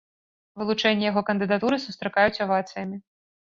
Вылучэнне яго кандыдатуры сустракаюць авацыямі.